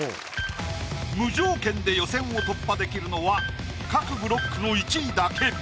無条件で予選を突破できるのは各ブロックの１位だけ。